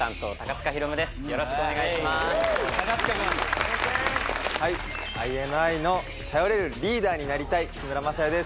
塚君はいＩＮＩの頼れるリーダーになりたい木村柾哉です